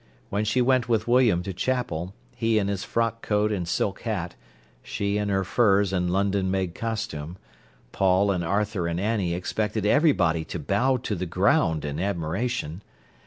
When she went with William to chapel, he in his frock coat and silk hat, she in her furs and London made costume, Paul and Arthur and Annie expected everybody to bow to the ground in admiration.